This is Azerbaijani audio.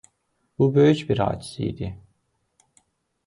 Bu böyük bir hadisə idi.